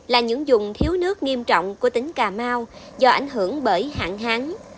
là những dùng thiếu nước nghiêm trọng của tỉnh cà mau do ảnh hưởng bởi hạn hán